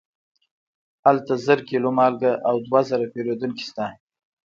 هلته زر کیلو مالګه او دوه زره پیرودونکي شته.